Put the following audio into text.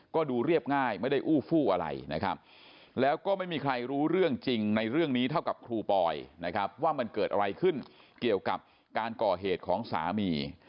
ก็ดูเรียบง่ายไม่ได้อู้ฟู้อะไรนะครับแล้วก็ไม่มีใครรู้เรื่องจริงในเรื่องนี้เท่ากับครูปอยนะครับว่ามันเกิดอะไรขึ้นเกี่ยวกับการก่อเหตุของสามี